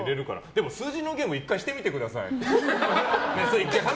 でも数字のゲーム１回してみてください。